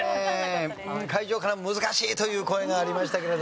会場からも「難しい」という声がありましたけれども。